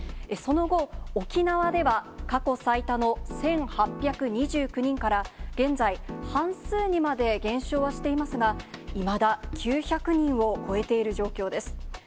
その後、沖縄では過去最多の１８２９人から、現在、半数にまで減少はしていますが、いまだ９００人を超えている状況です。